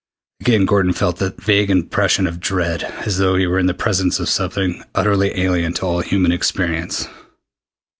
Again Gordon felt that vague impression of dread, as though he were in the presence of something utterly alien to all human experience.